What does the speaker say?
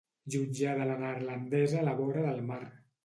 Jutjada a la neerlandesa a la vora del mar.